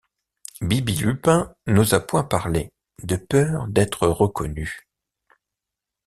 Bibi-Lupin n’osa point parler, de peur d’être reconnu.